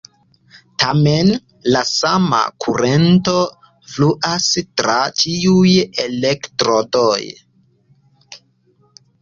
Tamen, la sama kurento fluas tra ĉiuj elektrodoj.